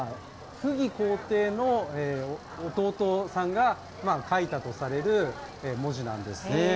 溥儀皇帝の弟さんが書いたとされる文字なんですね。